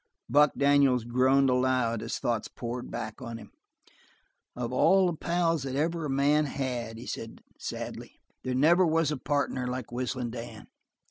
Buck Daniels groaned aloud as thoughts poured back on him. "Of all the pals that ever a man had," he said sadly, "there never was a partner like Whistlin' Dan.